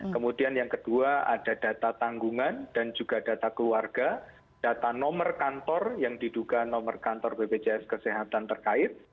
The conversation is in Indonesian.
kemudian yang kedua ada data tanggungan dan juga data keluarga data nomor kantor yang diduga nomor kantor bpjs kesehatan terkait